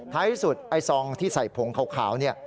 ท้ายที่สุดไอซองที่ใส่ผงขาวนี่